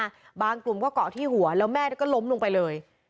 บางกลุ่มก็เกาะที่หัวแล้วแม่ก็ล้มลงไปเลย